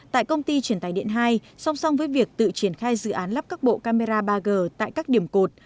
tại công ty truyền tài điện hai song song với việc tự triển khai dự án lắp các bộ camera ba g tại các điểm cột